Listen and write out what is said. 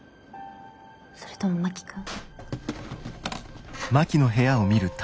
それとも真木君？